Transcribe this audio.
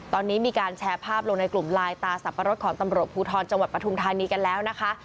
ตอนนี้มีการแชร์ภาพลงในกลุ่มไลน์ตาสับปะรดของตำรวจภูทรจังหวัดปฐุมธานีกันแล้วนะคะ